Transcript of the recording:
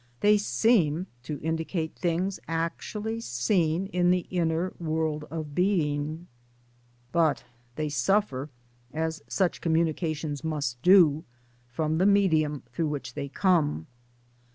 They seem to indi cate things actually seen in the inner world of being ; but they suffer, as such communications must do, from the medium through which they come.